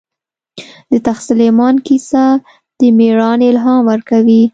د تخت سلیمان کیسه د مېړانې الهام ورکوي.